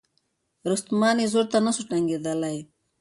رستمان یې زور ته نه سوای ټینګېدلای